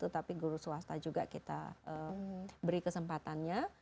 tapi guru swasta juga kita beri kesempatannya